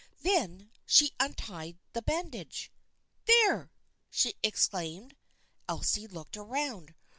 Then she untied the bandage. " There !" she exclaimed. Elsie looked around.